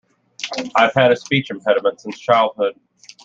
I've had a speech impediment since childhood.